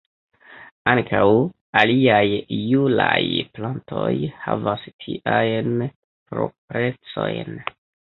Ankaŭ aliaj julaj plantoj havas tiajn proprecojn.